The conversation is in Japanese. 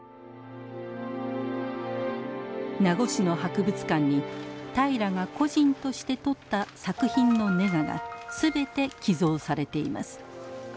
名護市の博物館に平良が個人として撮った作品のネガが全て寄贈されています。